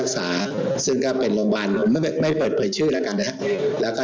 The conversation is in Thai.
แค่ทางหน่วยแจ้งมาว่าอยู่